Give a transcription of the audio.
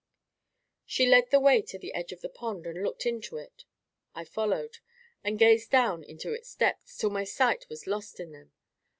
She led the way to the edge of the pond and looked into it. I followed, and gazed down into its depths, till my sight was lost in them.